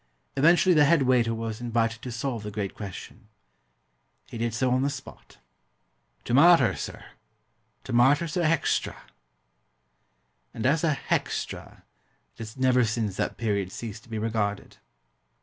Eventually the head waiter was invited to solve the great question. He did so on the spot. "Tumarter, sir? Tumarter's a hextra." And as a "hextra" it has never since that period ceased to be regarded.